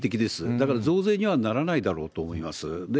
だから、増税にはならないだろうと思います。